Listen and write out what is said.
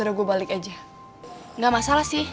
rumah dua miliar menit